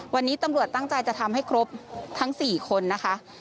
วันนี้ตำรวจตั้งใจจะทำให้ครบทั้ง๔คนนะคะ